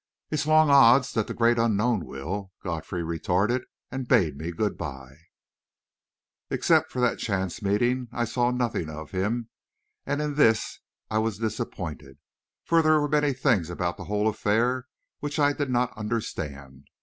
"It's long odds that the Great Unknown will," Godfrey retorted, and bade me good bye. Except for that chance meeting, I saw nothing of him, and in this I was disappointed, for there were many things about the whole affair which I did not understand.